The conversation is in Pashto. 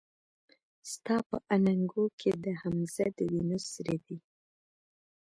ستا په اننګو کې د حمزه د وينو سره دي